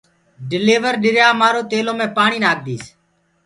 ڊليور ڏريا مآرو تيلو مي پآڻيٚ ناکِ ديٚس